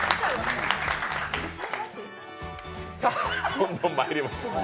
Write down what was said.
どんどんまいりましょう。